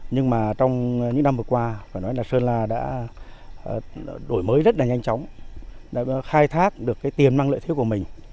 nhưng mà trong những năm vừa qua phải nói là sơn la đã đổi mới rất là nhanh chóng đã khai thác được cái tiền mang lợi thiếu của mình